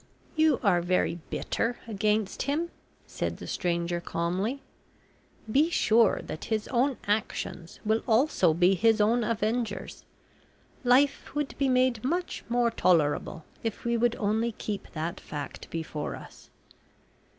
"You are very bitter against him," said the stranger calmly. "Be sure that his own actions will also be his own avengers. Life would be made much more tolerable if we would only keep that fact before us.